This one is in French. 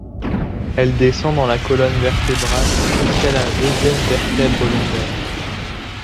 Elle descend dans la colonne vertébrale jusqu'à la deuxième vertèbre lombaire.